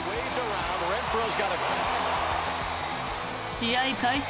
試合開始